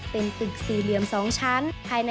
เป็นตึกสี่เหลี่ยม๒ชั้น